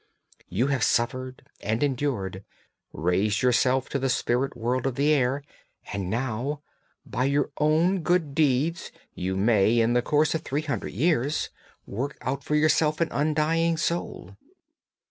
You have suffered and endured, raised yourself to the spirit world of the air, and now, by your own good deeds you may, in the course of three hundred years, work out for yourself an undying soul.'